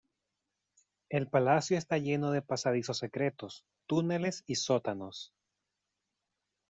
El palacio está lleno de pasadizos secretos, túneles y sótanos.